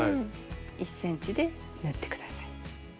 １ｃｍで縫って下さい。